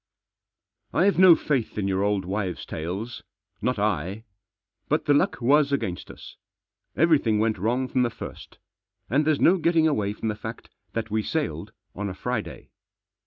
I'VE no faith in your old wives' tales. Not I. But the luck was against us. Everything went wrong from the first. And there's no getting away from the fact that we sailed on a Friday.